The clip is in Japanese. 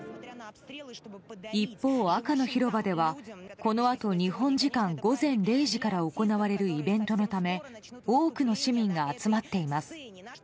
一方、赤の広場ではこのあと日本時間午前０時から行われるイベントのため多くの市民が集まっています。